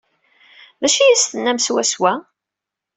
D acu ay as-tennam swaswa?